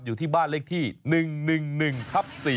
อยู่ที่บ้านเลขที่๑๑๑ทับ๔